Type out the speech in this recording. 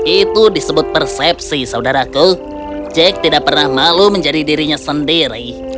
itu disebut persepsi saudaraku jack tidak pernah malu menjadi dirinya sendiri